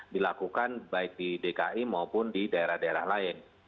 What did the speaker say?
dilakukan baik di dki maupun di daerah daerah lain